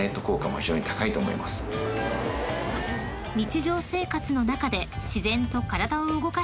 ［日常生活の中で］